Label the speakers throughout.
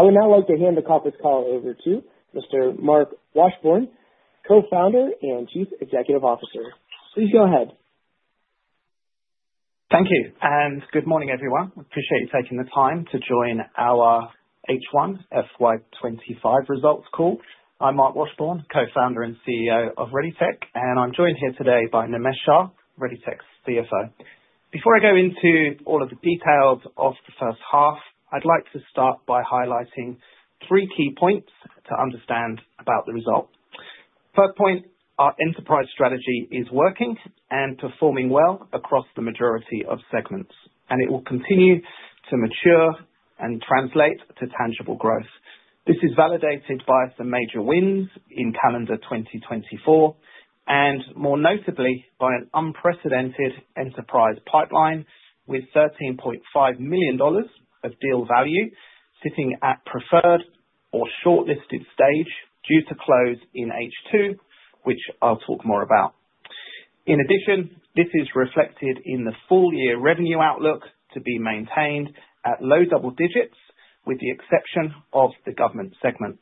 Speaker 1: I would now like to hand the conference call over to Mr. Marc Washbourne, Co-founder and Chief Executive Officer. Please go ahead.
Speaker 2: Thank you, and good morning, everyone. Appreciate you taking the time to join our H1 FY2025 Results call. I'm Marc Washbourne, Co-founder and CEO of ReadyTech, and I'm joined here today by Nimesh Shah, ReadyTech's CFO. Before I go into all of the details of the first half, I'd like to start by highlighting three key points to understand about the result. First point, our enterprise strategy is working and performing well across the majority of segments, and it will continue to mature and translate to tangible growth. This is validated by some major wins in calendar 2024, and more notably by an unprecedented enterprise pipeline with 13.5 million dollars of deal value sitting at preferred or shortlisted stage due to close in H2, which I'll talk more about. In addition, this is reflected in the full-year revenue outlook to be maintained at low double digits, with the exception of the government segment.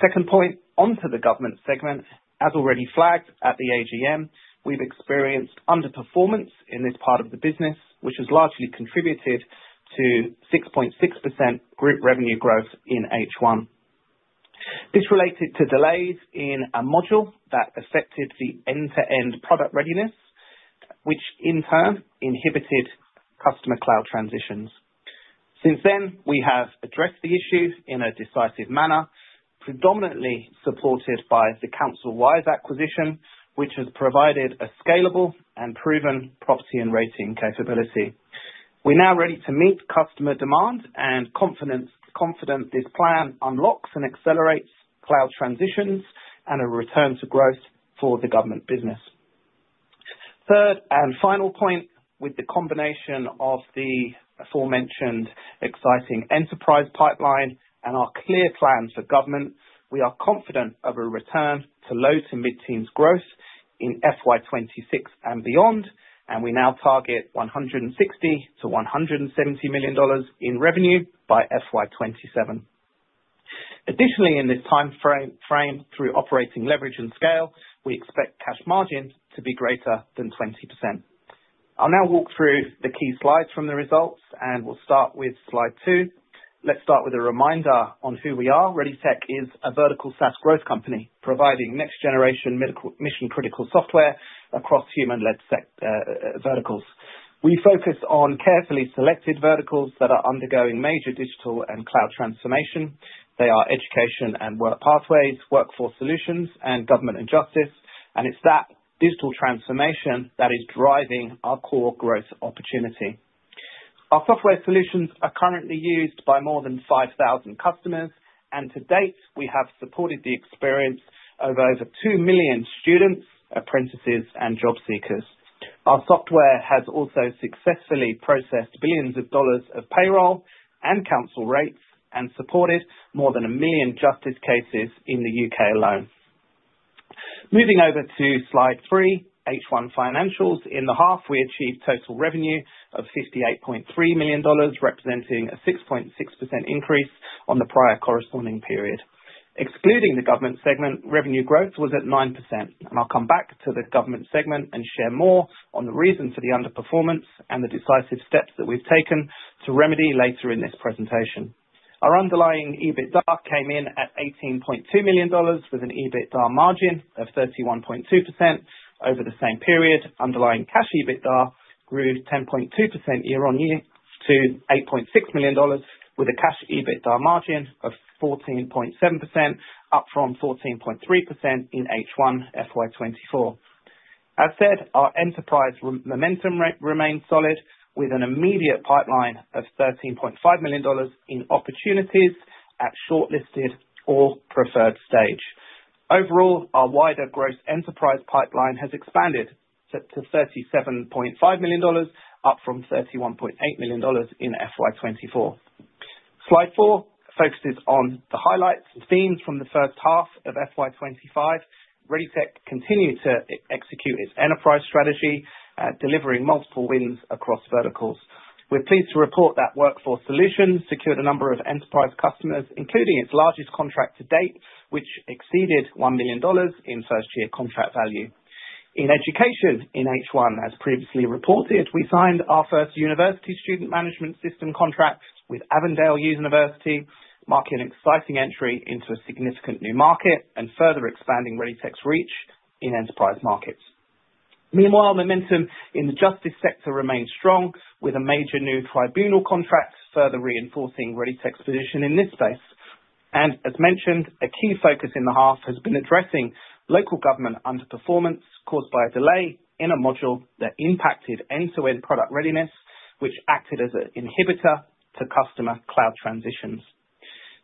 Speaker 2: Second point, onto the government segment, as already flagged at the AGM, we've experienced underperformance in this part of the business, which has largely contributed to 6.6% group revenue growth in H1. This related to delays in a module that affected the end-to-end product readiness, which in turn inhibited customer cloud transitions. Since then, we have addressed the issue in a decisive manner, predominantly supported by the CouncilWise acquisition, which has provided a scalable and proven Property and Rating capability. We're now ready to meet customer demand and confident this plan unlocks and accelerates cloud transitions and a return to growth for the government business. Third and final point, with the combination of the aforementioned exciting enterprise pipeline and our clear plan for government, we are confident of a return to low to mid-teens growth in FY2026 and beyond, and we now target 160 million-170 million dollars in revenue by FY2027. Additionally, in this time frame, through operating leverage and scale, we expect cash margin to be greater than 20%. I'll now walk through the key slides from the results, and we'll start with slide two. Let's start with a reminder on who we are. ReadyTech is a vertical SaaS growth company providing next-generation mission-critical software across human-led verticals. We focus on carefully selected verticals that are undergoing major digital and cloud transformation. They are Education and Work pathways, Workforce Solutions, and Government and Justice, and it's that digital transformation that is driving our core growth opportunity. Our software solutions are currently used by more than 5,000 customers, and to date, we have supported the experience of over 2 million students, apprentices, and job seekers. Our software has also successfully processed billions of dollars of payroll and council rates and supported more than a million Justice cases in the U.K. alone. Moving over to slide three, H1 financials, in the half, we achieved total revenue of 58.3 million dollars, representing a 6.6% increase on the prior corresponding period. Excluding the government segment, revenue growth was at 9%, and I'll come back to the government segment and share more on the reason for the underperformance and the decisive steps that we've taken to remedy later in this presentation. Our underlying EBITDA came in at 18.2 million dollars with an EBITDA margin of 31.2% over the same period. Underlying cash EBITDA grew 10.2% year-on-year to 8.6 million dollars, with a cash EBITDA margin of 14.7%, up from 14.3% in H1 FY2024. As said, our enterprise momentum remained solid, with an immediate pipeline of 13.5 million dollars in opportunities at shortlisted or preferred stage. Overall, our wider gross enterprise pipeline has expanded to 37.5 million dollars, up from 31.8 million dollars in FY2024. Slide four focuses on the highlights and themes from the first half of FY2025. ReadyTech continued to execute its enterprise strategy, delivering multiple wins across verticals. We're pleased to report that Workforce Solutions secured a number of enterprise customers, including its largest contract to date, which exceeded 1 million dollars in first-year contract value. In Education in H1, as previously reported, we signed our first university student management system contract with Avondale University. Marking an exciting entry into a significant new market and further expanding ReadyTech's reach in enterprise markets. Meanwhile, momentum in the justice sector remained strong, with a major new tribunal contract further reinforcing ReadyTech's position in this space. As mentioned, a key focus in the half has been addressing local government underperformance caused by a delay in a module that impacted end-to-end product readiness, which acted as an inhibitor to customer cloud transitions.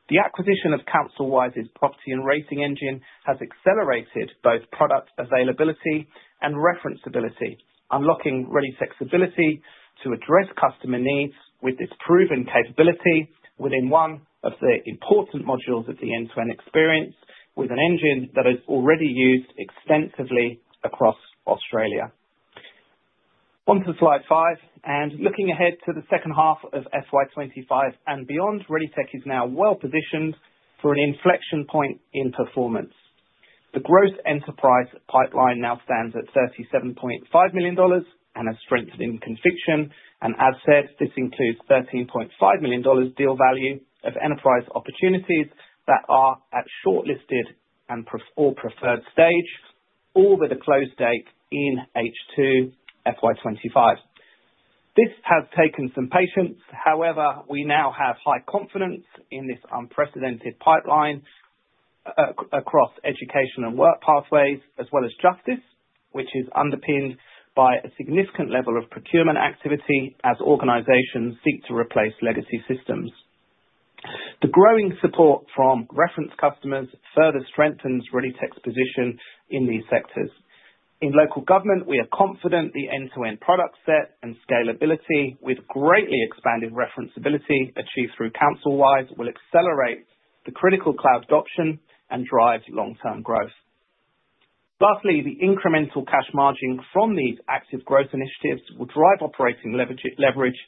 Speaker 2: The acquisition of CouncilWise's Property and Rating engine has accelerated both product availability and referenceability, unlocking real flexibility to address customer needs with this proven capability within one of the important modules of the end-to-end experience, with an engine that is already used extensively across Australia. Onto slide five, and looking ahead to the second half of FY2025 and beyond, ReadyTech is now well positioned for an inflection point in performance. The gross enterprise pipeline now stands at 37.5 million dollars and a strengthening conviction, and as said, this includes 13.5 million dollars deal value of enterprise opportunities that are at shortlisted and or preferred stage, all with a close date in H2 FY2025. This has taken some patience. However, we now have high confidence in this unprecedented pipeline across Education and Work Pathways, as well as Justice, which is underpinned by a significant level of procurement activity as organizations seek to replace legacy systems. The growing support from reference customers further strengthens ReadyTech's position in these sectors. In local government, we are confident the end-to-end product set and scalability, with greatly expanded referenceability achieved through CouncilWise, will accelerate the critical cloud adoption and drive long-term growth. Lastly, the incremental cash margin from these active growth initiatives will drive operating leverage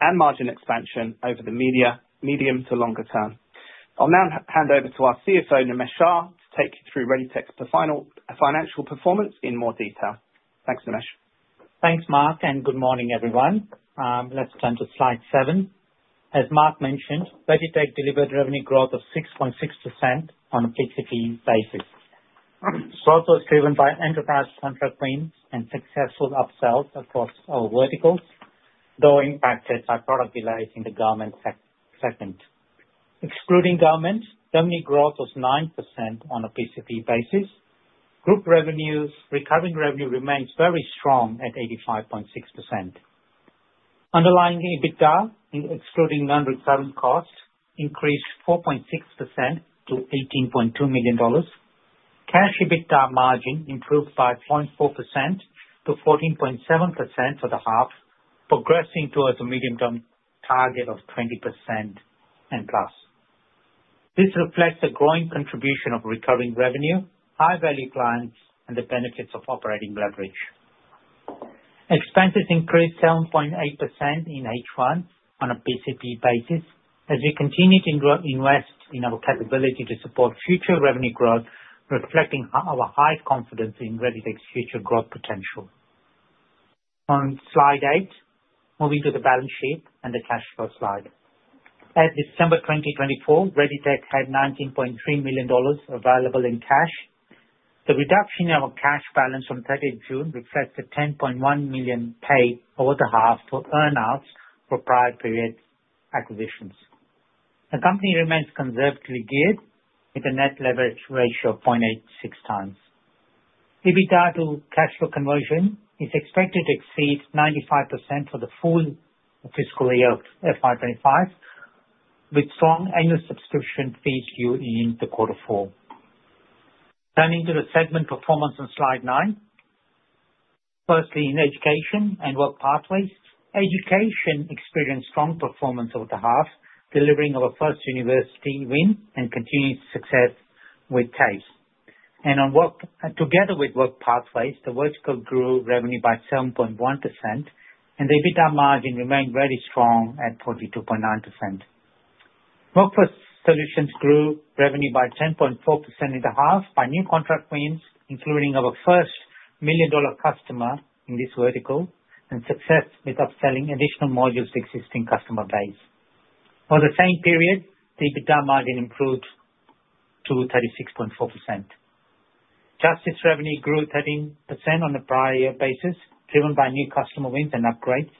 Speaker 2: and margin expansion over the medium to longer term. I'll now hand over to our CFO, Nimesh Shah, to take you through ReadyTech's financial performance in more detail. Thanks, Nimesh.
Speaker 3: Thanks, Marc, and good morning, everyone. Let's turn to slide seven. As Marc mentioned, ReadyTech delivered revenue growth of 6.6% on a PCP basis. Growth was driven by enterprise contract wins and successful upsells across all verticals, though impacted by product delays in the government segment. Excluding government, revenue growth was 9% on a PCP basis. Group revenues, recurring revenue remains very strong at 85.6%. Underlying EBITDA, excluding non-recurring costs, increased 4.6% to 18.2 million dollars. Cash EBITDA margin improved by 0.4% to 14.7% for the half, progressing towards a medium-term target of 20% and plus. This reflects a growing contribution of recurring revenue, high-value clients, and the benefits of operating leverage. Expenses increased 7.8% in H1 on a PCP basis as we continue to invest in our capability to support future revenue growth, reflecting our high confidence in ReadyTech's future growth potential. On slide eight, moving to the balance sheet and the cash flow slide. At December 2024, ReadyTech had 19.3 million dollars available in cash. The reduction in our cash balance on 30 June reflects 10.1 million paid over the half for earnouts for prior period acquisitions. The company remains conservatively geared with a net leverage ratio of 0.86 times. EBITDA to cash flow conversion is expected to exceed 95% for the full fiscal year of 2025, with strong annual subscription fees due in the quarter four. Turning to the segment performance on slide nine, firstly in Education and Work Pathways, Education experienced strong performance over the half, delivering our first university win and continued success with TAFE. Together with Work Pathways, the vertical grew revenue by 7.1%, and the EBITDA margin remained very strong at 42.9%. Workforce Solutions grew revenue by 10.4% in the half by new contract wins, including our first million-dollar customer in this vertical, and success with upselling additional modules to existing customer base. For the same period, the EBITDA margin improved to 36.4%. Justice revenue grew 13% on a prior year basis, driven by new customer wins and upgrades.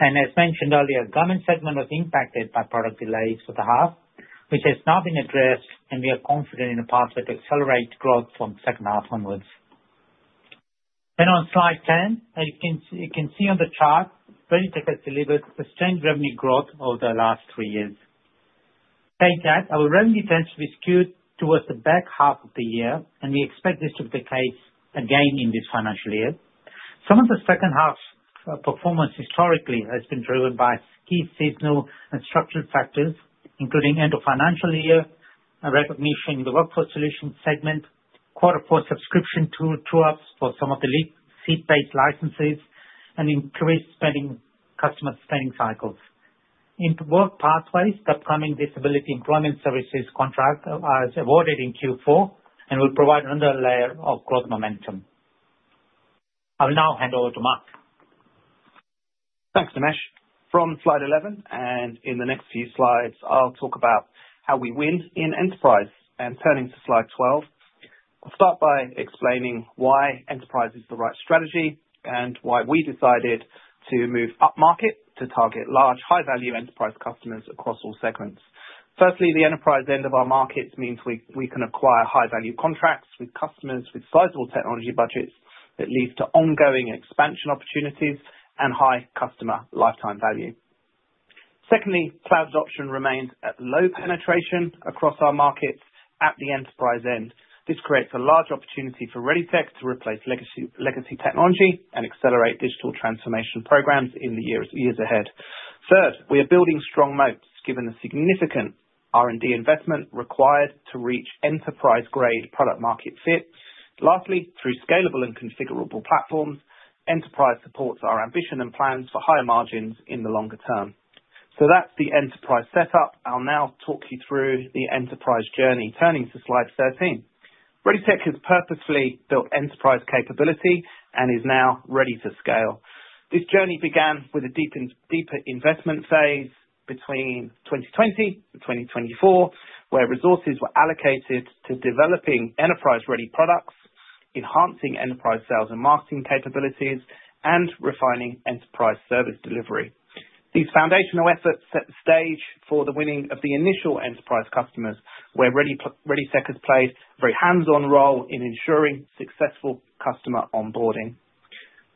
Speaker 3: As mentioned earlier, the government segment was impacted by product delays for the half, which has now been addressed, and we are confident in a pathway to accelerate growth from the second half onwards. On slide ten, as you can see on the chart, ReadyTech has delivered sustained revenue growth over the last three years. Saying that, our revenue tends to be skewed towards the back half of the year, and we expect this to be the case again in this financial year. Some of the second half performance historically has been driven by key seasonal and structural factors, including end of financial year, recognition in the Workforce Solutions segment, quarter four subscription trade-offs for some of the seat-based licenses, and increased customer spending cycles. In Work Pathways, the upcoming Disability Employment Services contract is awarded in Q4 and will provide another layer of growth momentum. I will now hand over to Marc.
Speaker 2: Thanks, Nimesh. From slide 11, and in the next few slides, I'll talk about how we win in enterprise. Turning to slide 12, I'll start by explaining why enterprise is the right strategy and why we decided to move upmarket to target large, high-value enterprise customers across all segments. Firstly, the enterprise end of our markets means we can acquire high-value contracts with customers with sizable technology budgets that lead to ongoing expansion opportunities and high customer lifetime value. Secondly, cloud adoption remains at low penetration across our markets at the enterprise end. This creates a large opportunity for ReadyTech to replace legacy technology and accelerate digital transformation programs in the years ahead. Third, we are building strong moats given the significant R&D investment required to reach enterprise-grade product-market fit. Lastly, through scalable and configurable platforms, enterprise supports our ambition and plans for higher margins in the longer term. That's the enterprise setup. I'll now talk you through the enterprise journey. Turning to slide 13, ReadyTech has purposefully built enterprise capability and is now ready to scale. This journey began with a deeper investment phase between 2020 and 2024, where resources were allocated to developing enterprise-ready products, enhancing enterprise sales and marketing capabilities, and refining enterprise service delivery. These foundational efforts set the stage for the winning of the initial enterprise customers, where ReadyTech has played a very hands-on role in ensuring successful customer onboarding.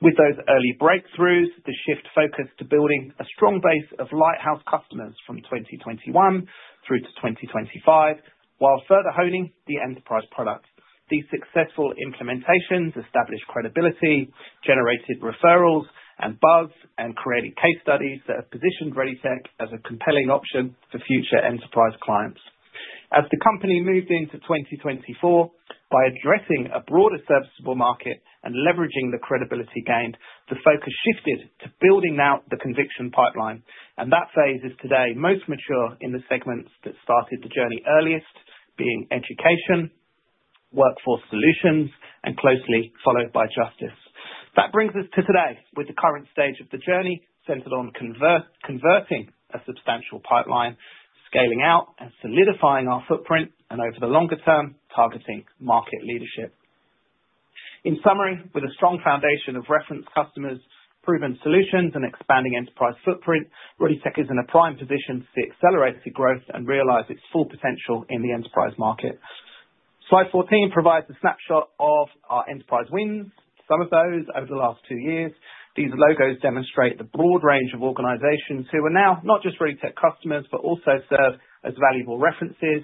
Speaker 2: With those early breakthroughs, the shift focused to building a strong base of lighthouse customers from 2021 through to 2025, while further honing the enterprise product. These successful implementations established credibility, generated referrals and buzz, and created case studies that have positioned ReadyTech as a compelling option for future enterprise clients. As the company moved into 2024, by addressing a broader serviceable market and leveraging the credibility gained, the focus shifted to building out the conviction pipeline. That phase is today most mature in the segments that started the journey earliest, being Education, Workforce Solutions, and closely followed by Justice. That brings us to today, with the current stage of the journey centered on converting a substantial pipeline, scaling out and solidifying our footprint, and over the longer term, targeting market leadership. In summary, with a strong foundation of reference customers, proven solutions, and expanding enterprise footprint, ReadyTech is in a prime position to accelerate the growth and realize its full potential in the enterprise market. Slide 14 provides a snapshot of our enterprise wins, some of those over the last two years. These logos demonstrate the broad range of organizations who are now not just ReadyTech customers, but also serve as valuable references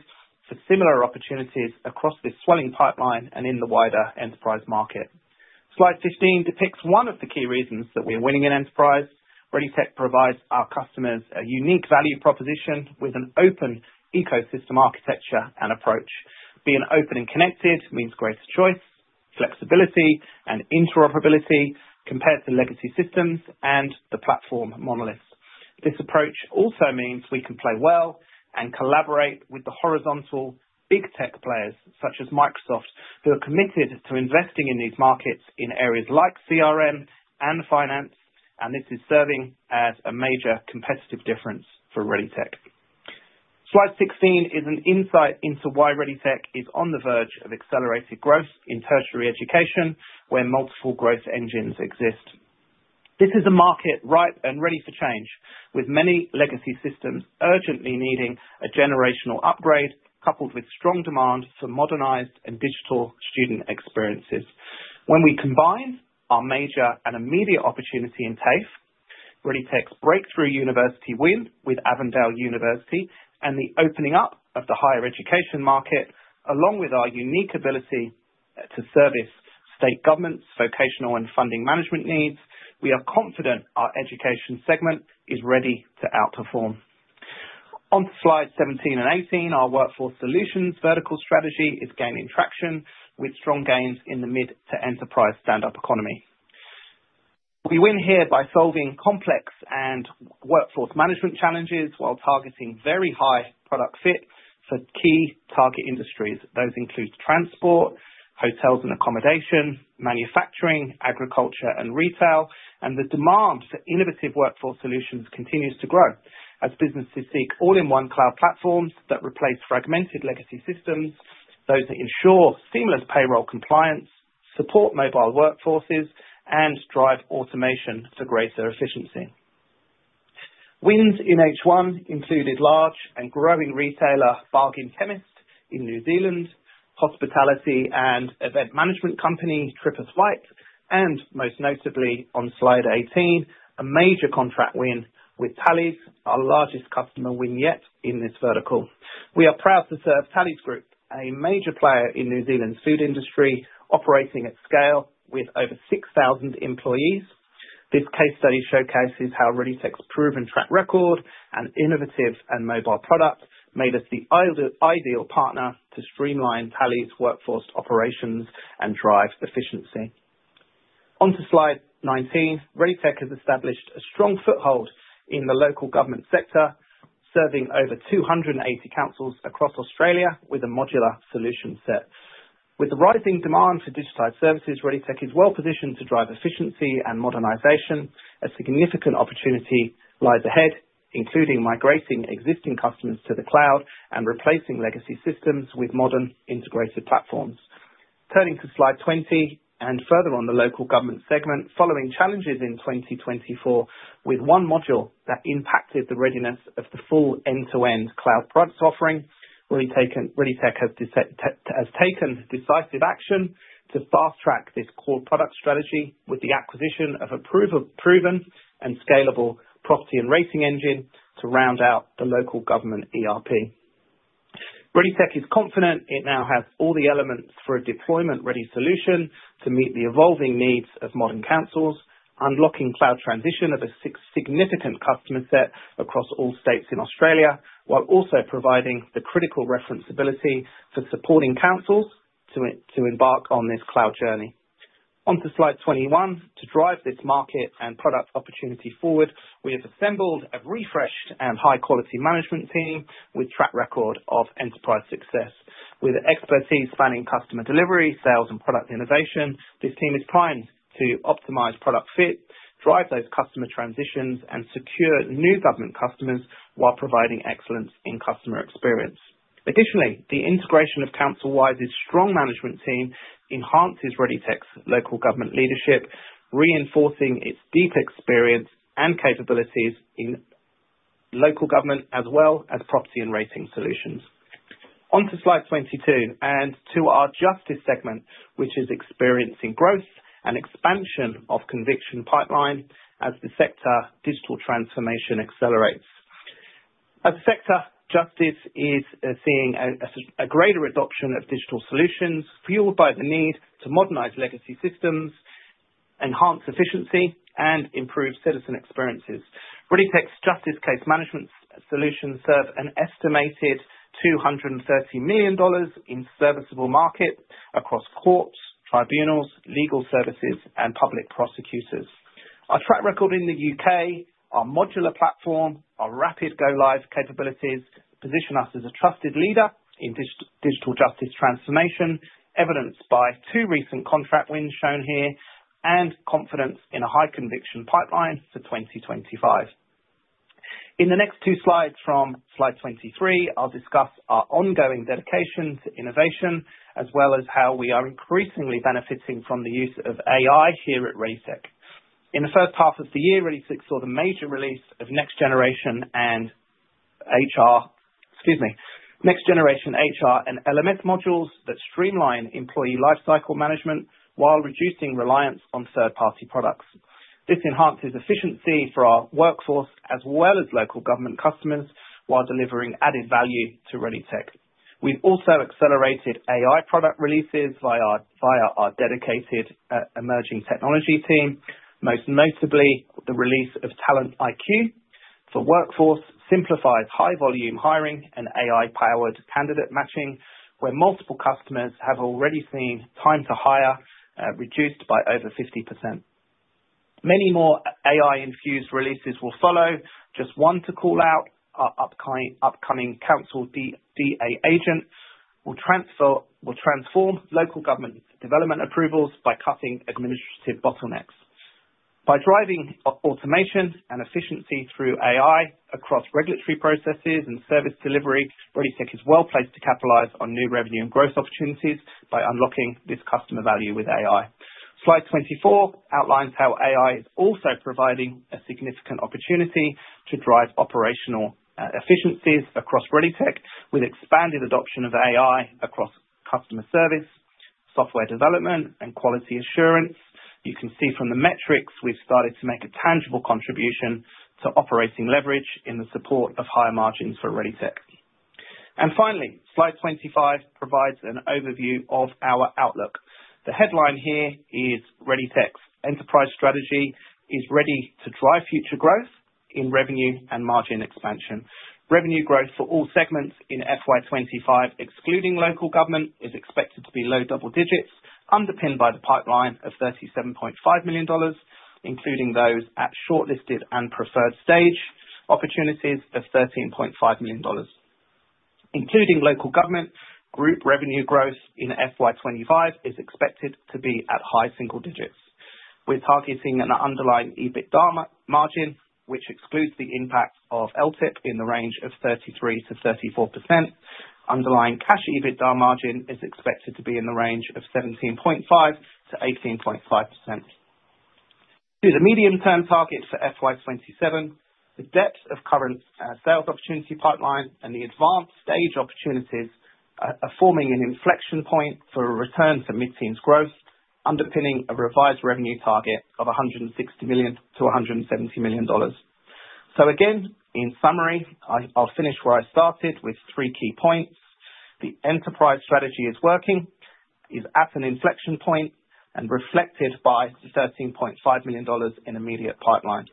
Speaker 2: for similar opportunities across this swelling pipeline and in the wider enterprise market. Slide 15 depicts one of the key reasons that we are winning in enterprise. ReadyTech provides our customers a unique value proposition with an open ecosystem architecture and approach. Being open and connected means greater choice, flexibility, and interoperability compared to legacy systems and the platform monolith. This approach also means we can play well and collaborate with the horizontal big tech players such as Microsoft, who are committed to investing in these markets in areas like CRM and finance, and this is serving as a major competitive difference for ReadyTech. Slide 16 is an insight into why ReadyTech is on the verge of accelerated growth in tertiary education, where multiple growth engines exist. This is a market ripe and ready for change, with many legacy systems urgently needing a generational upgrade, coupled with strong demand for modernized and digital student experiences. When we combine our major and immediate opportunity in TAFE, ReadyTech's breakthrough university win with Avondale University, and the opening up of the higher education market, along with our unique ability to service state government's vocational and funding management needs, we are confident our education segment is ready to outperform. On slides 17 and 18, our Workforce Solutions vertical strategy is gaining traction, with strong gains in the mid-to-enterprise Stand-up Economy. We win here by solving complex and workforce management challenges while targeting very high product fit for key target industries. Those include transport, hotels and accommodation, manufacturing, agriculture, and retail, and the demand for innovative Workforce Solutions continues to grow as businesses seek all-in-one cloud platforms that replace fragmented legacy systems, those that ensure seamless payroll compliance, support mobile workforces, and drive automation for greater efficiency. Wins in H1 included large and growing retailer Bargain Chemist in New Zealand, hospitality and event management company Te Pae, and most notably on slide 18, a major contract win with Talley's, our largest customer win yet in this vertical. We are proud to serve Talley's Group, a major player in New Zealand's food industry, operating at scale with over 6,000 employees. This case study showcases how ReadyTech's proven track record and innovative and mobile product made us the ideal partner to streamline Talley's workforce operations and drive efficiency. Onto slide 19, ReadyTech has established a strong foothold in the local government sector, serving over 280 councils across Australia with a modular solution set. With the rising demand for digitized services, ReadyTech is well positioned to drive efficiency and modernization. A significant opportunity lies ahead, including migrating existing customers to the cloud and replacing legacy systems with modern integrated platforms. Turning to slide 20 and further on the local government segment, following challenges in 2024 with one module that impacted the readiness of the full end-to-end cloud products offering, ReadyTech has taken decisive action to fast-track this core product strategy with the acquisition of a proven and scalable Property and Rating Engine to round out the local government ERP. ReadyTech is confident it now has all the elements for a deployment-ready solution to meet the evolving needs of modern councils, unlocking cloud transition of a significant customer set across all states in Australia, while also providing the critical reference ability for supporting councils to embark on this cloud journey. Onto slide 21. To drive this market and product opportunity forward, we have assembled a refreshed and high-quality management team with track record of enterprise success. With expertise spanning customer delivery, sales, and product innovation, this team is primed to optimize product fit, drive those customer transitions, and secure new government customers while providing excellence in customer experience. Additionally, the integration of CouncilWise's strong management team enhances ReadyTech's local government leadership, reinforcing its deep experience and capabilities in local government as well as Property and Rating solutions. Onto slide 22 and to our Justice segment, which is experiencing growth and expansion of conviction pipeline as the sector digital transformation accelerates. As the sector, Justice is seeing a greater adoption of digital solutions fueled by the need to modernize legacy systems, enhance efficiency, and improve citizen experiences. ReadyTech's Justice case management solutions serve an estimated 230 million dollars in serviceable market across courts, tribunals, legal services, and public prosecutors. Our track record in the U.K., our modular platform, our rapid go-live capabilities position us as a trusted leader in digital Justice transformation, evidenced by two recent contract wins shown here, and confidence in a high conviction pipeline for 2025. In the next two slides from slide 23, I'll discuss our ongoing dedication to innovation, as well as how we are increasingly benefiting from the use of AI here at ReadyTech. In the first half of the year, ReadyTech saw the major release of Next Generation HR and LMS modules that streamline employee lifecycle management while reducing reliance on third-party products. This enhances efficiency for our workforce as well as local government customers while delivering added value to ReadyTech. We've also accelerated AI product releases via our dedicated emerging technology team, most notably the release of TalentIQ for workforce, simplifies high-volume hiring and AI-powered candidate matching, where multiple customers have already seen time to hire reduced by over 50%. Many more AI-infused releases will follow. Just one to call out, our upcoming Council DA Agent will transform local government development approvals by cutting administrative bottlenecks. By driving automation and efficiency through AI across regulatory processes and service delivery, ReadyTech is well placed to capitalize on new revenue and growth opportunities by unlocking this customer value with AI. Slide 24 outlines how AI is also providing a significant opportunity to drive operational efficiencies across ReadyTech with expanded adoption of AI across customer service, software development, and quality assurance. You can see from the metrics we have started to make a tangible contribution to operating leverage in the support of higher margins for ReadyTech. Finally, slide 25 provides an overview of our outlook. The headline here is ReadyTech's enterprise strategy is ready to drive future growth in revenue and margin expansion. Revenue growth for all segments in FY2025, excluding local government, is expected to be low double digits, underpinned by the pipeline of 37.5 million dollars, including those at shortlisted and preferred stage opportunities of 13.5 million dollars. Including local government, group revenue growth in FY2025 is expected to be at high single digits. We're targeting an underlying EBITDA margin, which excludes the impact of LTIP, in the range of 33%-34%. Underlying cash EBITDA margin is expected to be in the range of 17.5%-18.5%. To the medium-term target for FY2027, the depth of current sales opportunity pipeline and the advanced stage opportunities are forming an inflection point for a return to mid-teens growth, underpinning a revised revenue target of 160 million-170 million dollars. Again, in summary, I'll finish where I started with three key points. The enterprise strategy is working, is at an inflection point, and reflected by 13.5 million dollars in immediate pipeline.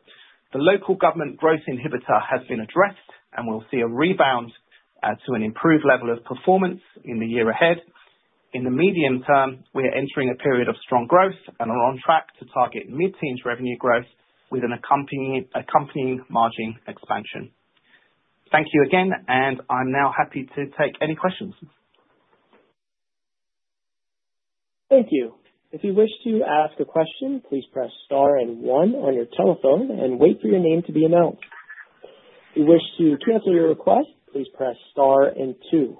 Speaker 2: The local government growth inhibitor has been addressed, and we'll see a rebound to an improved level of performance in the year ahead. In the medium term, we are entering a period of strong growth and are on track to target mid-teens revenue growth with an accompanying margin expansion. Thank you again, and I'm now happy to take any questions.
Speaker 1: Thank you. If you wish to ask a question, please press star and one on your telephone and wait for your name to be announced. If you wish to cancel your request, please press star and two.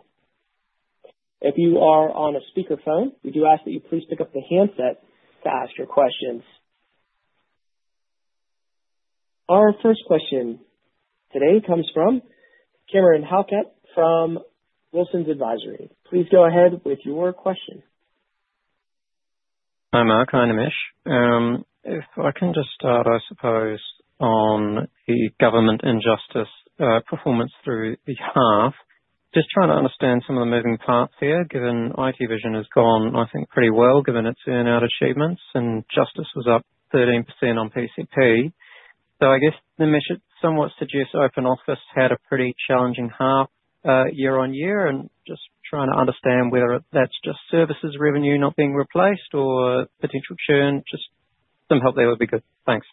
Speaker 1: If you are on a speakerphone, we do ask that you please pick up the handset to ask your questions. Our first question today comes from Cameron Halkett from Wilsons Advisory. Please go ahead with your question.
Speaker 4: Hi, Marc. Hi, Nimesh. If I can just start, I suppose, on the Government and Justice performance through the half. Just trying to understand some of the moving parts here, given IT Vision has gone, I think, pretty well, given its earnout achievements, and justice was up 13% on PCP. I guess Nimesh somewhat suggests Open Office had a pretty challenging half year-on-year, and just trying to understand whether that's just services revenue not being replaced or potential churn. Just some help there would be good. Thanks.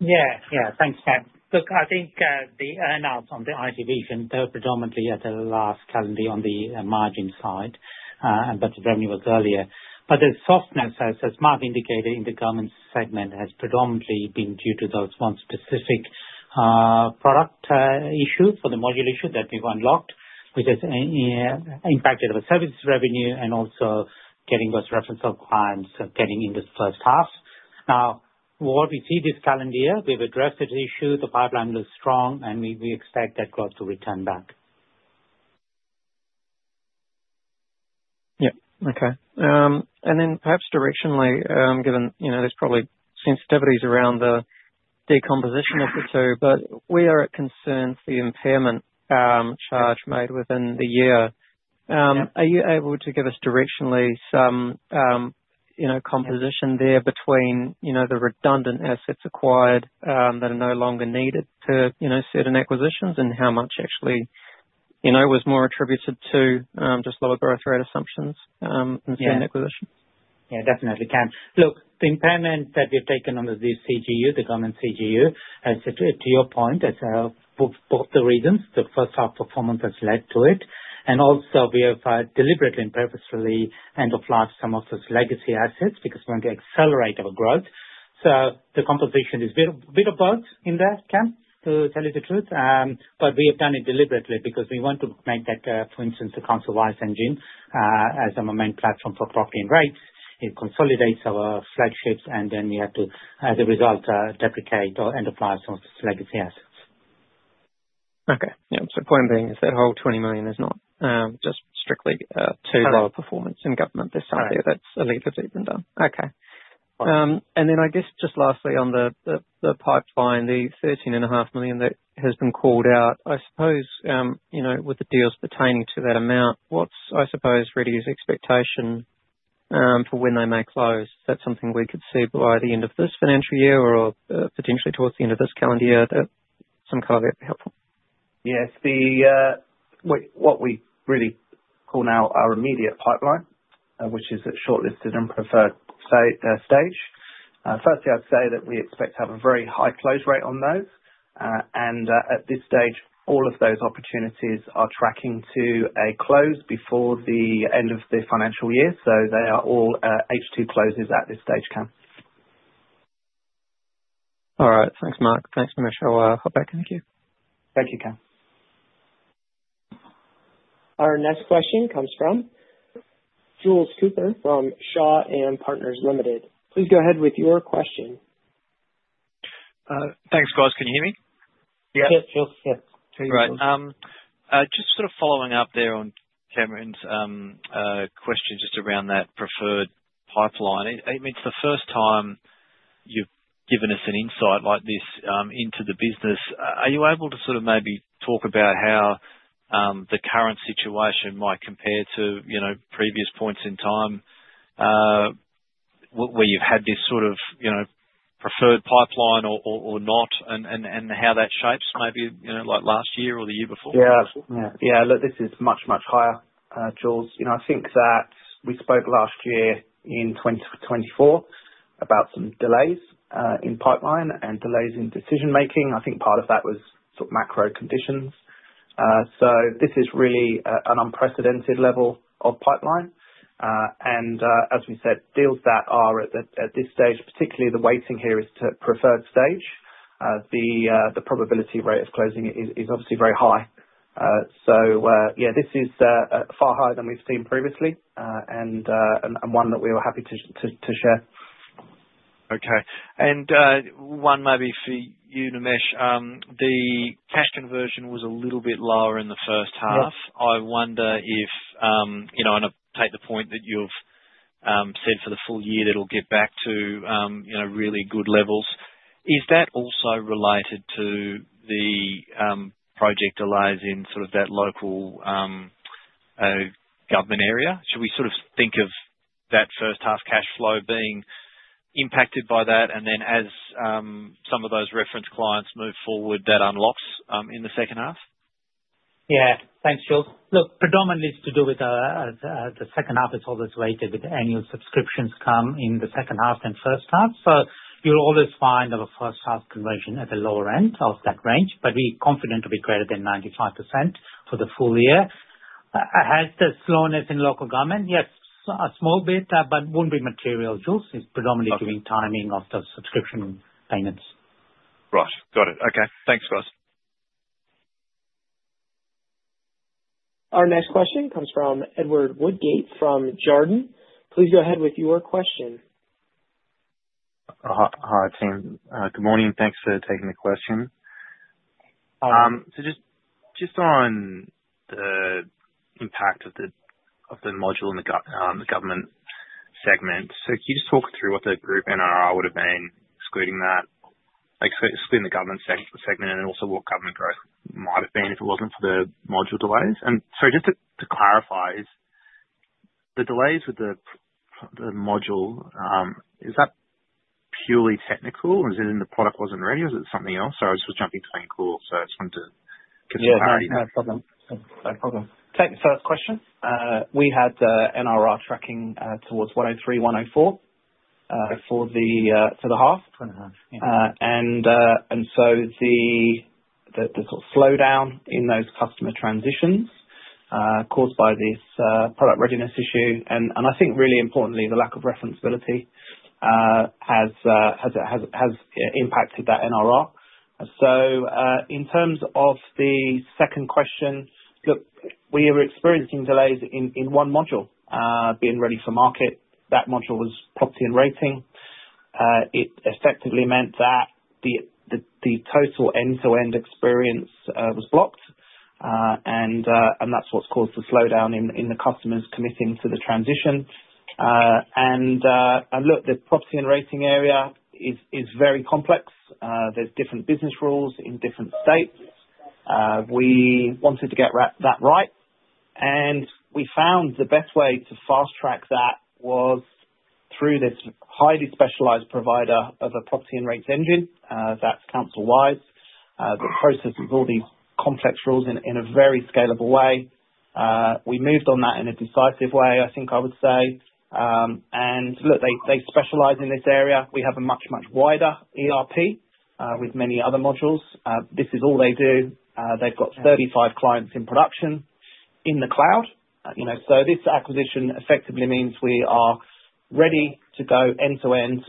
Speaker 3: Yeah, yeah. Thanks, Cam. Look, I think the earnouts on the IT Vision, they're predominantly at the last calendar on the margin side, but the revenue was earlier. The softness, as Marc indicated, in the government segment has predominantly been due to those one specific product issue for the module issue that we've unlocked, which has impacted our service revenue and also getting those reference of clients getting in this first half. Now, what we see this calendar year, we've addressed this issue. The pipeline looks strong, and we expect that growth to return back.
Speaker 4: Yep. Okay. Perhaps directionally, given there's probably sensitivities around the decomposition of the two, but we are concerned for the impairment charge made within the year. Are you able to give us directionally some composition there between the redundant assets acquired that are no longer needed to certain acquisitions and how much actually was more attributed to just lower growth rate assumptions and certain acquisitions?
Speaker 3: Yeah, definitely can. Look, the impairment that we've taken on the CGU, the government CGU, to your point, both the reasons, the first half performance has led to it. Also, we have deliberately and purposefully end-of-lifed some of those legacy assets because we want to accelerate our growth. The composition is a bit of both in that, Ken, to tell you the truth. We have done it deliberately because we want to make that, for instance, the CouncilWise engine as our main platform for property and rates. It consolidates our flagships, and then we have to, as a result, deprecate or end of life some of those legacy assets.
Speaker 4: Okay. The point being is that whole 20 million is not just strictly due to low performance in government this year. That is a legal deepened down. Okay. I guess just lastly on the pipeline, the 13.5 million that has been called out, I suppose, with the deals pertaining to that amount, what is, I suppose, ReadyTech's expectation for when they may close? Is that something we could see by the end of this financial year or potentially towards the end of this calendar year? That some color would be helpful.
Speaker 3: Yes. What we really call now our immediate pipeline, which is at shortlisted and preferred stage. Firstly, I'd say that we expect to have a very high close rate on those. At this stage, all of those opportunities are tracking to a close before the end of the financial year. They are all H2 closes at this stage, Ken.
Speaker 4: All right. Thanks, Marc. Thanks, Nimesh. I'll hop back in with you. Thank you, Ken.
Speaker 1: Our next question comes from Jules Cooper from Shaw and Partners Limited. Please go ahead with your question. Thanks, guys. Can you hear me?
Speaker 2: Yes.
Speaker 3: Yep.
Speaker 5: Yes. All right. Just sort of following up there on Cameron's question just around that preferred pipeline. I mean, it's the first time you've given us an insight like this into the business. Are you able to sort of maybe talk about how the current situation might compare to previous points in time where you've had this sort of preferred pipeline or not and how that shapes maybe like last year or the year before?
Speaker 2: Yeah. Yeah. Look, this is much, much higher, Jules. I think that we spoke last year in 2024 about some delays in pipeline and delays in decision-making. I think part of that was sort of macro conditions. This is really an unprecedented level of pipeline. As we said, deals that are at this stage, particularly the weighting here is to preferred stage. The probability rate of closing is obviously very high. Yeah, this is far higher than we've seen previously and one that we were happy to share.
Speaker 5: Okay. One maybe for you, Nimesh. The cash conversion was a little bit lower in the first half. I wonder if, and I take the point that you've said for the full year that it'll get back to really good levels. Is that also related to the project delays in sort of that local government area? Should we sort of think of that first half cash flow being impacted by that? And then as some of those reference clients move forward, that unlocks in the second half?
Speaker 3: Yeah. Thanks, Jules. Look, predominantly it's to do with the second half. It's always weighted with annual subscriptions come in the second half and first half. You'll always find our first half conversion at the lower end of that range, but we're confident to be greater than 95% for the full year. Has the slowness in local government? Yes, a small bit, but it wouldn't be material. Jules is predominantly doing timing of the subscription payments.
Speaker 5: Right. Got it. Okay. Thanks, guys.
Speaker 1: Our next question comes from Edward Woodgate from Jarden. Please go ahead with your question.
Speaker 6: Hi, team. Good morning. Thanks for taking the question. Just on the impact of the module in the government segment, can you just talk through what the group NRR would have been, excluding the government segment, and then also what government growth might have been if it wasn't for the module delays? Sorry, just to clarify, the delays with the module, is that purely technical? Is it in the product wasn't ready, or is it something else? Sorry, I was just jumping to think. I just wanted to get some clarity there.
Speaker 2: Yeah. No problem. No problem. Taking first question. We had NRR tracking towards 103, 104 for the half. The sort of slowdown in those customer transitions caused by this product readiness issue, and I think really importantly, the lack of referenceability has impacted that NRR. In terms of the second question, look, we were experiencing delays in one module being ready for market. That module was Property and Rating. It effectively meant that the total end-to-end experience was blocked, and that is what has caused the slowdown in the customers committing to the transition. The Property and Rating area is very complex. There are different business rules in different states. We wanted to get that right, and we found the best way to fast track that was through this highly specialized provider of a Property and Rating engine. That is CouncilWise. The process is all these complex rules in a very scalable way. We moved on that in a decisive way, I think I would say. Look, they specialize in this area. We have a much, much wider ERP with many other modules. This is all they do. They've got 35 clients in production in the cloud. This acquisition effectively means we are ready to go end-to-end.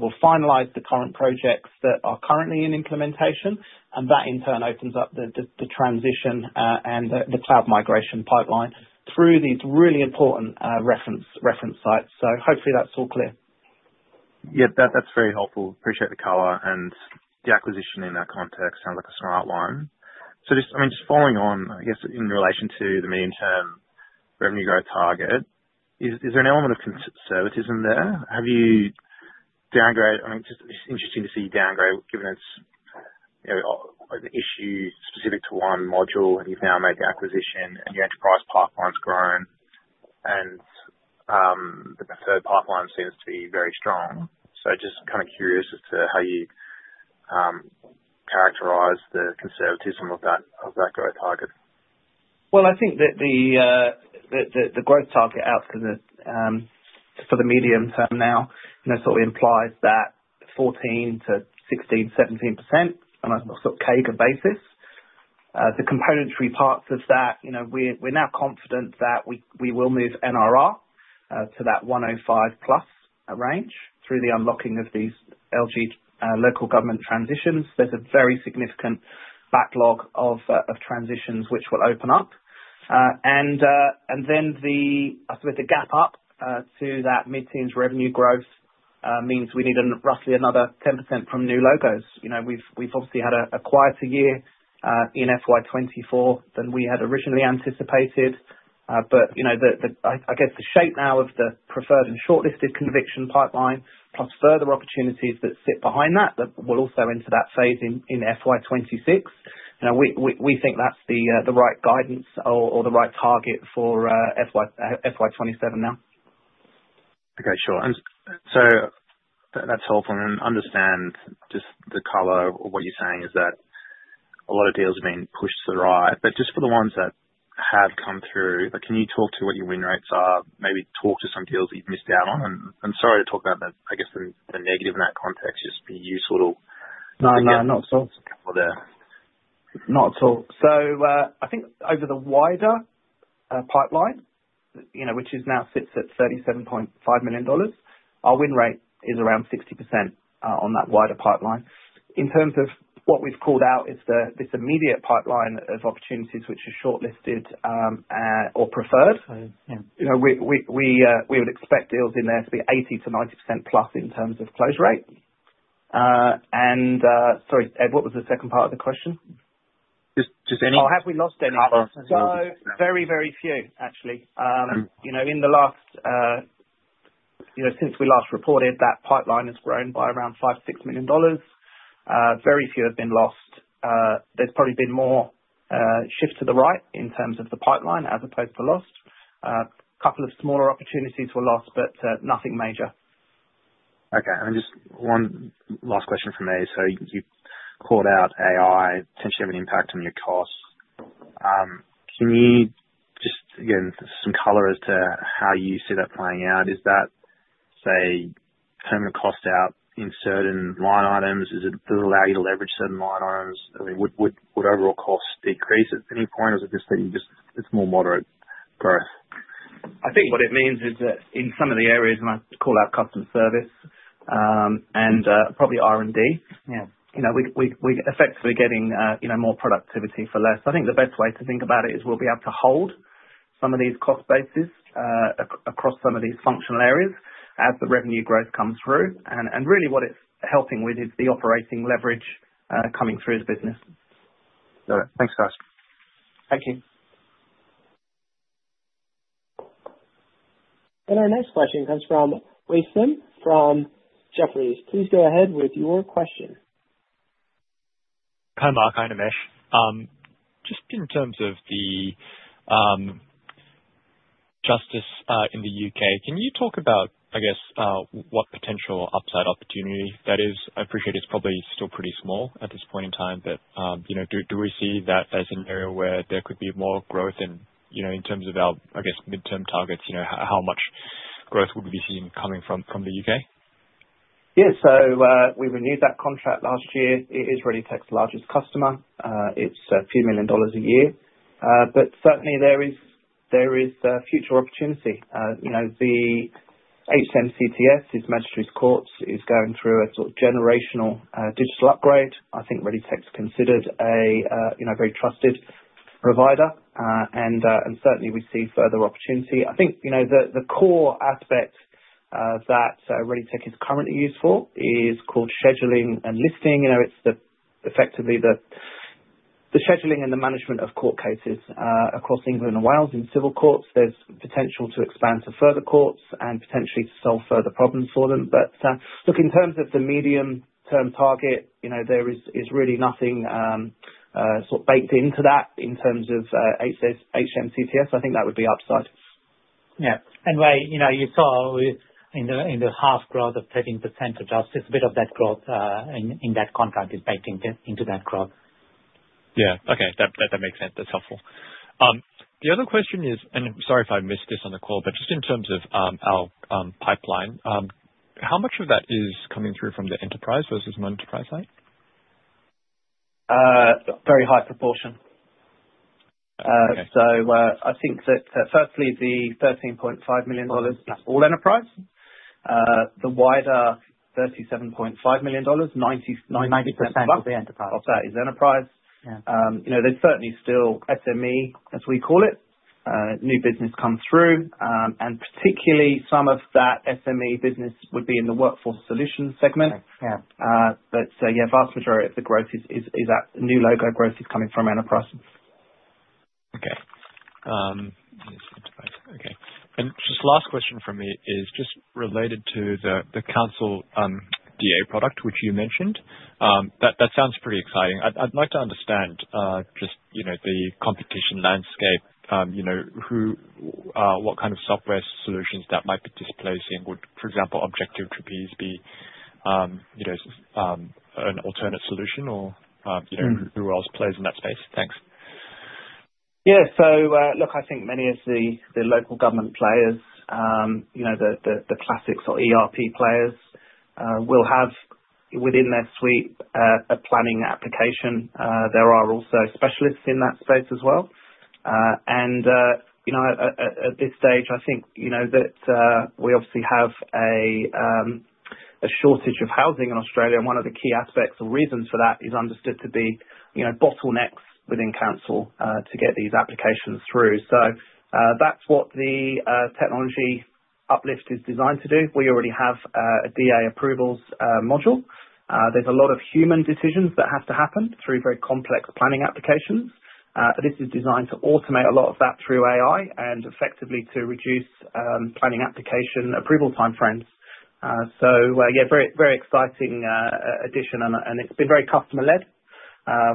Speaker 2: We'll finalize the current projects that are currently in implementation, and that in turn opens up the transition and the cloud migration pipeline through these really important reference sites. Hopefully that's all clear.
Speaker 6: Yeah, that's very helpful. Appreciate the color and the acquisition in that context sounds like a smart one. I mean, just following on, I guess in relation to the medium-term revenue growth target, is there an element of conservatism there? Have you downgraded? I mean, just interesting to see you downgrade given it's an issue specific to one module, and you've now made the acquisition, and your enterprise pipeline's grown, and the preferred pipeline seems to be very strong. Just kind of curious as to how you characterize the conservatism of that growth target.
Speaker 2: I think that the growth target out for the medium term now sort of implies that 14-16, 17% on a sort of CAGR basis. The componentary parts of that, we're now confident that we will move NRR to that 105% plus range through the unlocking of these LG local government transitions. There's a very significant backlog of transitions which will open up. I suppose the gap up to that mid-teens revenue growth means we need roughly another 10% from new logos. We've obviously had a quieter year in FY 2024 than we had originally anticipated, but I guess the shape now of the preferred and shortlisted conviction pipeline plus further opportunities that sit behind that that will also enter that phase in FY 2026. We think that's the right guidance or the right target for FY 2027 now. Okay. Sure. That’s helpful. I understand just the color of what you're saying is that a lot of deals have been pushed to the right. Just for the ones that have come through, can you talk to what your win rates are? Maybe talk to some deals that you've missed out on. Sorry to talk about, I guess, the negative in that context, just be useful to. No, not at all. Not at all. I think over the wider pipeline, which now sits at 37.5 million dollars, our win rate is around 60% on that wider pipeline. In terms of what we've called out is this immediate pipeline of opportunities which are shortlisted or preferred. We would expect deals in there to be 80-90% plus in terms of close rate. Sorry, Ed, what was the second part of the question? Just any. Or have we lost any? Very, very few, actually. Since we last reported, that pipeline has grown by around 5-6 million dollars. Very few have been lost. There's probably been more shift to the right in terms of the pipeline as opposed to lost. A couple of smaller opportunities were lost, but nothing major.
Speaker 6: Okay. Just one last question from me. You've called out AI potentially having an impact on your cost. Can you just, again, give some color as to how you see that playing out? Is that, say, permanent cost out in certain line items? Does it allow you to leverage certain line items? I mean, would overall cost decrease at any point, or is it just that it's more moderate growth?
Speaker 2: I think what it means is that in some of the areas, and I call out customer service and probably R&D, we're effectively getting more productivity for less. I think the best way to think about it is we'll be able to hold some of these cost bases across some of these functional areas as the revenue growth comes through. What it's helping with is the operating leverage coming through as business.
Speaker 6: Got it. Thanks, guys.
Speaker 2: Thank you.
Speaker 1: Our next question comes from Wei Sim from Jefferies. Please go ahead with your question.
Speaker 7: Hi, Marc. Hi, Nimesh. Just in terms of the justice in the U.K., can you talk about, I guess, what potential upside opportunity that is? I appreciate it's probably still pretty small at this point in time, but do we see that as an area where there could be more growth? In terms of our, I guess, midterm targets, how much growth would we be seeing coming from the U.K.?
Speaker 2: Yeah. We renewed that contract last year. It is ReadyTech's largest customer. It's a few million dollars a year. Certainly, there is future opportunity. The HMCTS, Magistrates' Courts, is going through a sort of generational digital upgrade. I think ReadyTech's considered a very trusted provider, and certainly, we see further opportunity. I think the core aspect that ReadyTech is currently used for is called scheduling and listing. It's effectively the scheduling and the management of court cases across England and Wales in civil courts. There's potential to expand to further courts and potentially to solve further problems for them. In terms of the medium-term target, there is really nothing sort of baked into that in terms of HMCTS. I think that would be upside.
Speaker 3: Yeah. You saw in the half growth of 13%, just a bit of that growth in that contract is baked into that growth.
Speaker 7: Yeah. Okay. That makes sense. That's helpful. The other question is, and sorry if I missed this on the call, but just in terms of our pipeline, how much of that is coming through from the enterprise versus non-enterprise side?
Speaker 2: Very high proportion. I think that firstly, the 13.5 million dollars is all enterprise. The wider 37.5 million dollars, 90% of that is enterprise. There's certainly still SME, as we call it, new business comes through, and particularly some of that SME business would be in the workforce solution segment. Yeah, vast majority of the growth is new logo growth is coming from enterprise.
Speaker 7: Okay. Okay. Just last question for me is just related to the Council DA product, which you mentioned. That sounds pretty exciting. I'd like to understand just the competition landscape, what kind of software solutions that might be displacing. Would, for example, Objective Trapeze be an alternate solution, or who else plays in that space? Thanks.
Speaker 2: Yeah. Look, I think many of the local government players, the classic sort of ERP players, will have within their suite a planning application. There are also specialists in that space as well. At this stage, I think that we obviously have a shortage of housing in Australia, and one of the key aspects or reasons for that is understood to be bottlenecks within Council to get these applications through. That is what the technology uplift is designed to do. We already have a DA approvals module. There are a lot of human decisions that have to happen through very complex planning applications. This is designed to automate a lot of that through AI and effectively to reduce planning application approval time frames. Very exciting addition, and it has been very customer-led.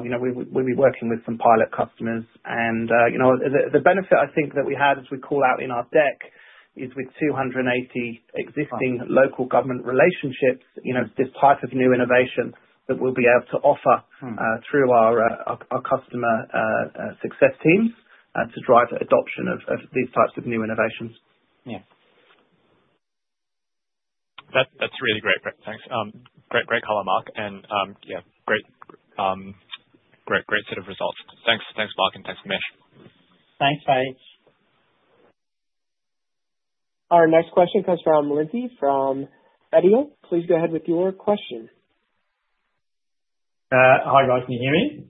Speaker 2: We will be working with some pilot customers. The benefit I think that we had, as we call out in our deck, is with 280 existing local government relationships, this type of new innovation that we'll be able to offer through our customer success teams to drive adoption of these types of new innovations. Yeah.
Speaker 7: That's really great. Thanks. Great, great color, Marc. And yeah, great, great set of results. Thanks, Marc, and thanks, Nimesh.
Speaker 3: Thanks, Wei.
Speaker 1: Our next question comes from Lindsay from E&P. Please go ahead with your question.
Speaker 8: Hi, guys. Can you hear me?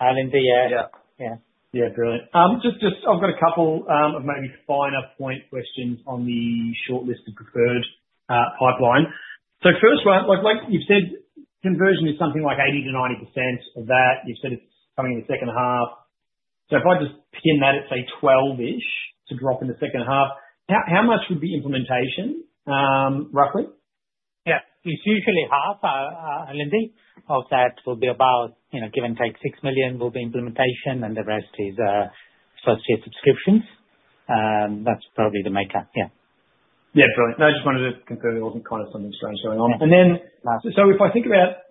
Speaker 3: Hi, Lindsay. Yeah.
Speaker 2: Yeah.
Speaker 3: Yeah.
Speaker 8: Brilliant. Just I've got a couple of maybe finer point questions on the shortlisted preferred pipeline. So first one, like you've said, conversion is something like 80-90% of that. You've said it's coming in the second half. If I just pin that at, say, 12-ish to drop in the second half, how much would be implementation, roughly?
Speaker 3: Yeah. It's usually half, Lindsay. Of that, it will be about, give and take, 6 million will be implementation, and the rest is first-year subscriptions. That's probably the maker. Yeah.Yeah.
Speaker 8: Brilliant. No, I just wanted to confirm there wasn't kind of something strange going on. If I think about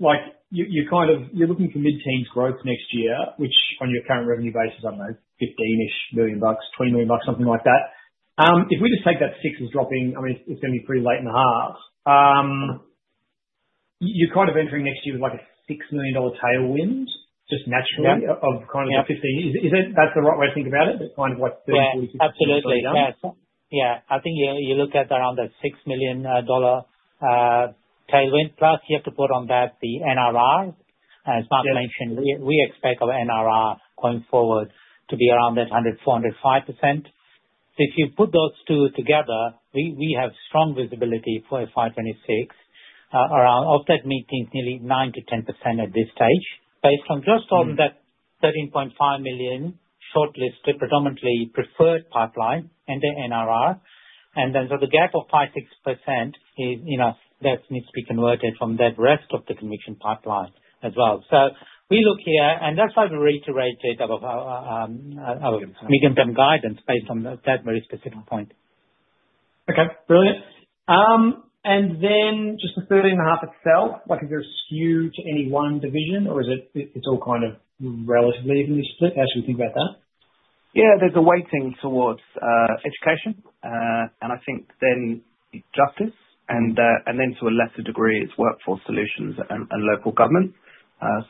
Speaker 8: you're kind of looking for mid-teens growth next year, which on your current revenue basis I don't know, 15-ish million bucks, 20 million bucks, something like that. If we just take that 6 as dropping, I mean, it's going to be pretty late in the half. You're kind of entering next year with like an 6 million dollar tailwind just naturally of kind of the 15. Is that the right way to think about it? That's kind of like 30-40-50%.
Speaker 3: Yeah. Absolutely. Yeah. I think you look at around that 6 million dollar tailwind, plus you have to put on that the NRR. As Marc mentioned, we expect our NRR going forward to be around that 100-105%. If you put those two together, we have strong visibility for FY2026. Of that meetings, nearly 9-10% at this stage based just on that 13.5 million shortlisted, predominantly preferred pipeline and the NRR. The gap of 5-6% is that needs to be converted from that rest of the conviction pipeline as well. We look here, and that's why we reiterated our medium-term guidance based on that very specific point.
Speaker 8: Okay. Brilliant. Just the third and a half itself, is there a skew to any one division, or is it all kind of relatively evenly split as we think about that?
Speaker 2: Yeah. There is a weighting towards education, and I think then justice, and then to a lesser degree, it is Workforce Solutions and local government.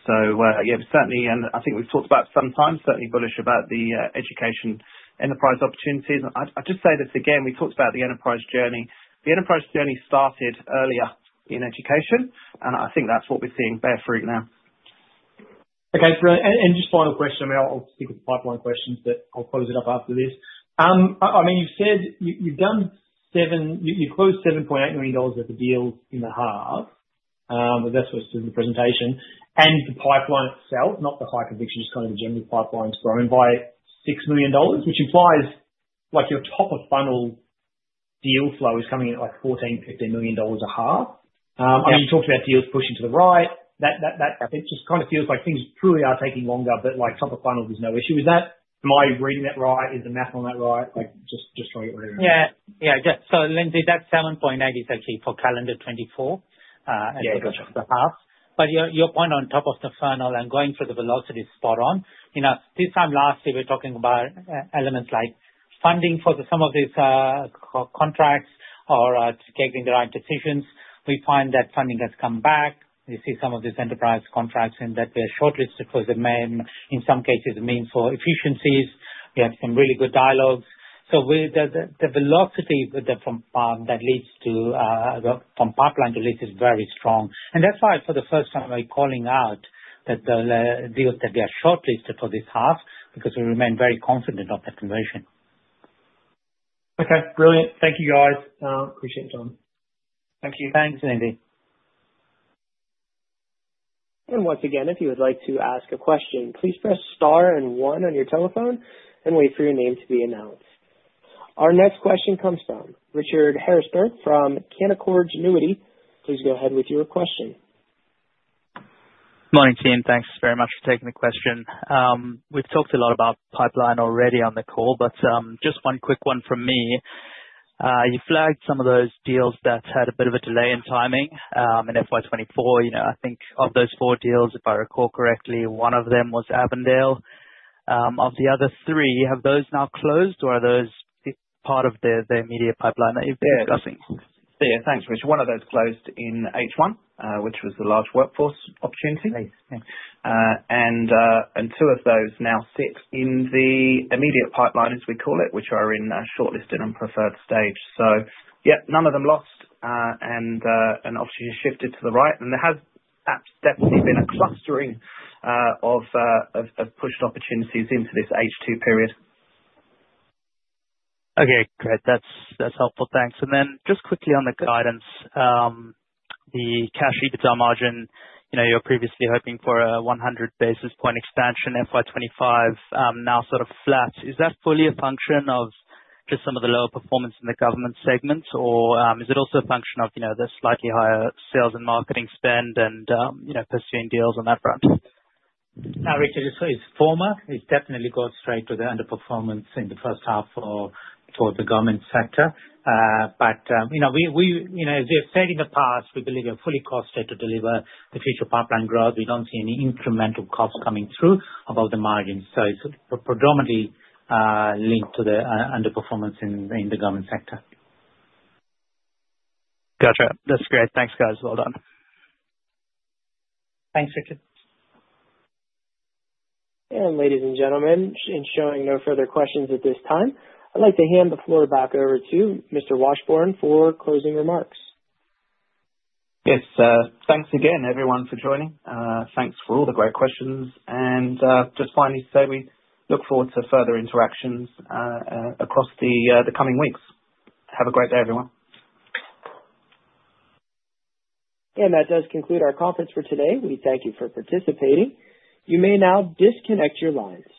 Speaker 2: Certainly, and I think we have talked about sometimes, certainly bullish about the education enterprise opportunities. I just say this again, we talked about the enterprise journey. The enterprise journey started earlier in education, and I think that is what we are seeing bear fruit now.
Speaker 8: Okay. Brilliant. Just final question. I mean, I will stick with the pipeline questions, but I will close it up after this. I mean, you have said you have closed 7.8 million dollars worth of deals in the half, but that is what is in the presentation. The pipeline itself, not the high conviction, just kind of the general pipeline's grown by 6 million dollars, which implies your top-of-funnel deal flow is coming in at like 14-15 million dollars a half. I mean, you talked about deals pushing to the right. That just kind of feels like things truly are taking longer, but top-of-funnel is no issue with that. Am I reading that right? Is the math on that right? Just trying to get rid of that.
Speaker 3: Yeah. Yeah. Lindsay, that 7.8 is actually for calendar 2024 and the half. Your point on top-of-the-funnel and going for the velocity is spot on. This time last year, we're talking about elements like funding for some of these contracts or taking the right decisions. We find that funding has come back. We see some of these enterprise contracts in that they're shortlisted for the main, in some cases, main for efficiencies. We have some really good dialogues. The velocity that leads to from pipeline to list is very strong. That is why for the first time we're calling out that the deals that get shortlisted for this half because we remain very confident of that conversion.
Speaker 8: Okay. Brilliant. Thank you, guys. Appreciate your time. Thank you.
Speaker 3: Thanks, Lindsay.
Speaker 1: Once again, if you would like to ask a question, please press star and one on your telephone and wait for your name to be announced. Our next question comes from Richard Harrisberg from Canaccord Genuity. Please go ahead with your question.
Speaker 9: Morning, team. Thanks very much for taking the question. We've talked a lot about pipeline already on the call, but just one quick one from me. You flagged some of those deals that had a bit of a delay in timing in FY2024. I think of those four deals, if I recall correctly, one of them was Avondale. Of the other three, have those now closed, or are those part of the immediate pipeline that you've been discussing?
Speaker 2: Yeah. Thanks, Richard. One of those closed in H1, which was the large workforce opportunity. Two of those now sit in the immediate pipeline, as we call it, which are in shortlisted and preferred stage. None of them lost, and obviously, it shifted to the right. There has definitely been a clustering of pushed opportunities into this H2 period.
Speaker 9: Okay. Great. That's helpful. Thanks. Just quickly on the guidance, the cash EBITDA margin, you were previously hoping for a 100 basis point expansion, FY2025 now sort of flat. Is that fully a function of just some of the lower performance in the government segments, or is it also a function of the slightly higher sales and marketing spend and pursuing deals on that front?
Speaker 2: Richard, it's former. It's definitely gone straight to the underperformance in the first half for the government sector. As we have said in the past, we believe we are fully costed to deliver the future pipeline growth. We don't see any incremental costs coming through above the margin. It is predominantly linked to the underperformance in the government sector.
Speaker 9: Gotcha. That's great. Thanks, guys. Well done.
Speaker 2: Thanks, Richard.
Speaker 1: Ladies and gentlemen, ensuring no further questions at this time, I'd like to hand the floor back over to Mr. Washbourne for closing remarks.
Speaker 2: Yes. Thanks again, everyone, for joining. Thanks for all the great questions. Just finally to say, we look forward to further interactions across the coming weeks. Have a great day, everyone. That does conclude our conference for today. We thank you for participating. You may now disconnect your lines.